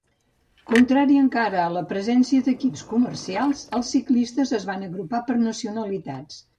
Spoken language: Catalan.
Contrari encara a la presència d'equips comercials, els ciclistes es van agrupar per nacionalitats.